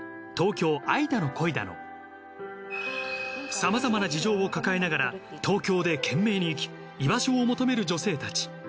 様々な事情を抱えながら東京で懸命に生き居場所を求める女性たち。